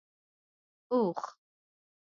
🐪 اوښ